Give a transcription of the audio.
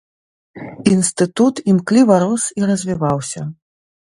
Інстытут імкліва рос і развіваўся.